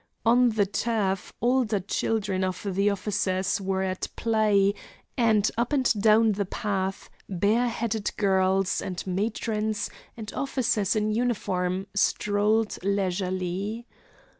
On the turf older children of the officers were at play, and up and down the paths bareheaded girls, and matrons, and officers in uniform strolled leisurely.